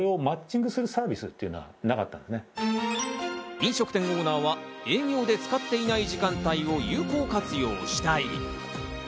飲食店オーナーは営業で使っていない時間帯を有効活用したい。